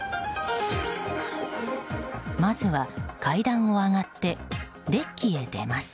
まずは、階段を上がってデッキへ出ます。